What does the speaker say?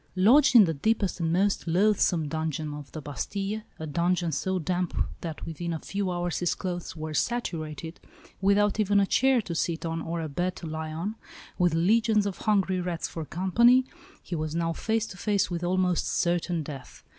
Lodged in the deepest and most loathsome dungeon of the Bastille a dungeon so damp that within a few hours his clothes were saturated without even a chair to sit on or a bed to lie on, with legions of hungry rats for company, he was now face to face with almost certain death.